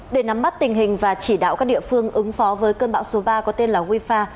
để nắm mắt tình hình và chỉ đạo các địa phương ứng phó với cơn bão số ba có tên là wifa